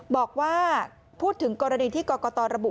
บอกว่าพูดถึงกรณีที่กรกตระบุ